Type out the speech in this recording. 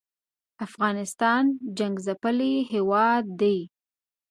افغانستان جنګ څپلی هېواد دی